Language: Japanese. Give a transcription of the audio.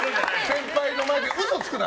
先輩の前で嘘つくな！